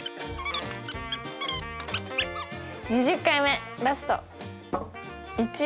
２０回目ラスト。